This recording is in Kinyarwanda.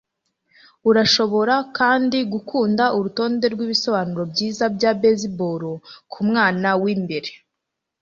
Urashobora kandi gukunda urutonde rwibisobanuro byiza bya baseball kumwana w'imbere.